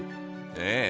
ええ。